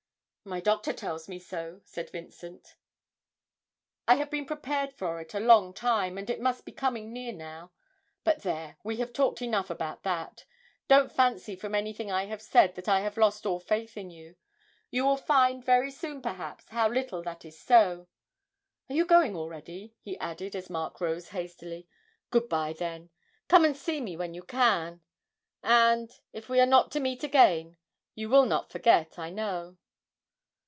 'My doctor tells me so,' said Vincent. 'I have been prepared for it a long time, and it must be coming near now but there, we have talked enough about that. Don't fancy from anything I have said that I have lost all faith in you you will find, very soon, perhaps, how little that is so.... Are you going already?' he added, as Mark rose hastily; 'good bye, then; come and see me when you can, and if we are not to meet again you will not forget, I know.'